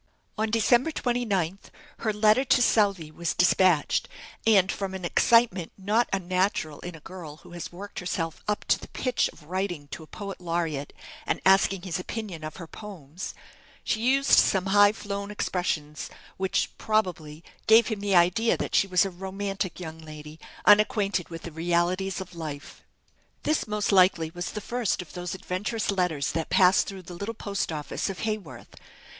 On December 29th, her letter to Southey was despatched; and from an excitement not unnatural in a girl who has worked herself up to the pitch of writing to a Poet Laureate and asking his opinion of her poems, she used some high flown expressions which, probably, gave him the idea that she was a romantic young lady, unacquainted with the realities of life. This, most likely, was the first of those adventurous letters that passed through the little post office of Haworth.